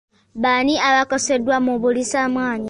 Baani abakosebwa mu buliisamaanyi.